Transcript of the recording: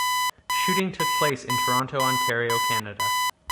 Shooting took place in Toronto, Ontario, Canada.